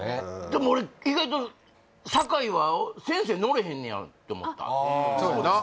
でも俺意外と酒井は先生乗れへんねやって思ったそうやな